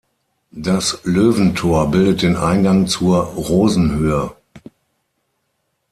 Das Löwentor bildet den Eingang zur Rosenhöhe.